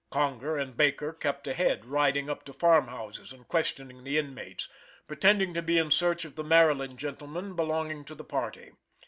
Conger and Baker kept ahead, riding up to farm houses and questioning the inmates, pretending to be in search of the Maryland gentlemen belonging to the party.